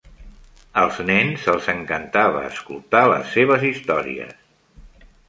Als nens els encantava escoltar les seves històries.